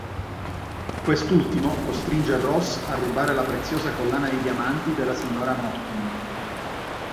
Quest'ultimo costringe Ross a rubare la preziosa collana di diamanti della signora Norton.